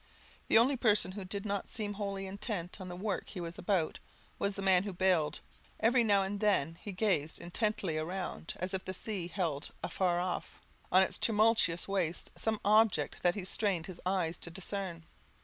The only person who did not seem wholly intent on the work he was about, was the man who baled; every now and then he gazed intently round, as if the sea held afar off, on its tumultuous waste, some object that he strained his eyes to discern.